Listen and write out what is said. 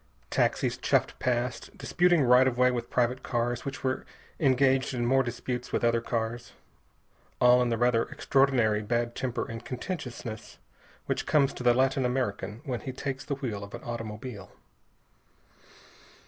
Taxis chuffed past, disputing right of way with private cars which were engaged in more disputes with other cars, all in the rather extraordinary bad temper and contentiousness which comes to the Latin American when he takes the wheel of an automobile.